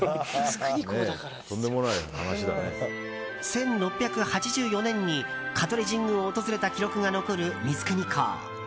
１６８４年に香取神宮を訪れた記録が残る光圀公。